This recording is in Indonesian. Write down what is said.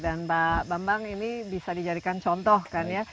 dan pak bambang ini bisa dijadikan contoh kan ya